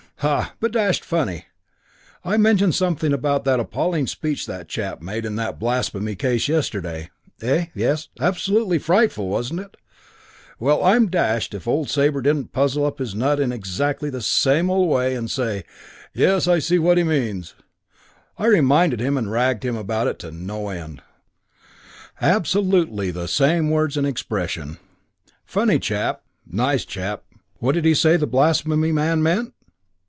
Ha! But dashed funny I mentioned something about that appalling speech that chap made in that blasphemy case yesterday.... Eh? yes, absolutely frightful, wasn't it? well, I'm dashed if old Sabre didn't puzzle up his nut in exactly the same old way and say, 'Yes, but I see what he means.' I reminded him and ragged him about it no end. Absolutely the same words and expression. Funny chap ... nice chap.... "What did he say the blasphemy man meant?